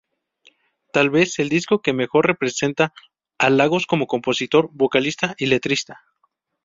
Tal vez, el disco que mejor representa a Lagos como compositor, vocalista y letrista.